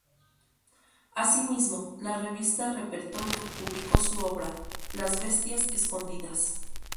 Así mismo, la revista Repertorio publicó su obra: "Las bestias escondidas".